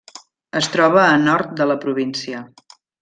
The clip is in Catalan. Es troba a nord de la província.